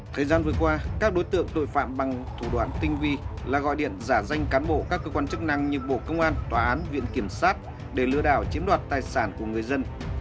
thời gian vừa qua các đối tượng tội phạm bằng thủ đoạn tinh vi là gọi điện giả danh cán bộ các cơ quan chức năng như bộ công an tòa án viện kiểm sát để lừa đảo chiếm đoạt tài sản của người dân